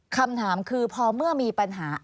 คำถามคือพอเมื่อมีปัญหา